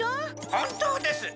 本当です！